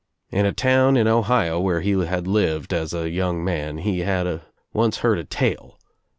In a town in Ohio where he had lived as a young man he had once heard a tale.